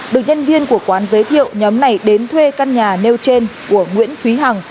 được nhân viên của quán giới thiệu nhóm này đến thuê căn nhà nail chain của nguyễn thúy hằng